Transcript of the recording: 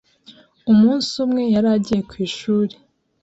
umunsi umwe yari agiye ku ishuri